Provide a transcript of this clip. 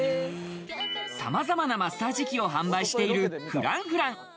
さまざまなマッサージ機を販売しているＦｒａｎｃｆｒａｎｃ。